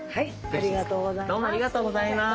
ありがとうございます。